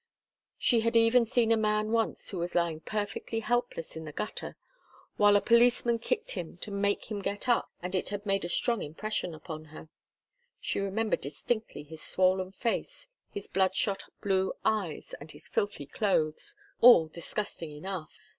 She had even seen a man once who was lying perfectly helpless in the gutter, while a policeman kicked him to make him get up and it had made a strong impression upon her. She remembered distinctly his swollen face, his bloodshot blue eyes and his filthy clothes all disgusting enough.